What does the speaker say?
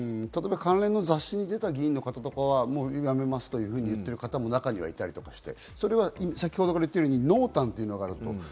関連の雑誌に出た議員の方とかは、もうやめますというふうに言ってる方も中にはいたりして、先程から言っているように、濃淡というのがある。